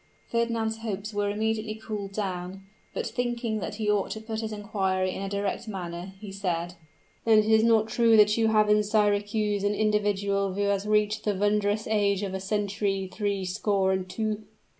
Fernand's hopes were immediately cooled down; but thinking that he ought to put his inquiry in a direct manner, he said: "Then it is not true that you have in Syracuse an individual who has reached the wondrous age of a century three score and two?"